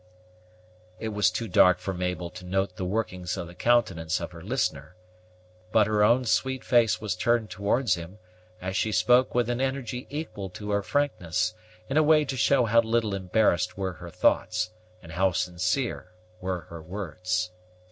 It was too dark for Mabel to note the workings of the countenance of her listener; but her own sweet face was turned towards him, as she spoke with an energy equal to her frankness, in a way to show how little embarrassed were her thoughts, and how sincere were her words.